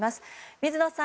水野さん